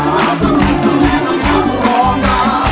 นะครับ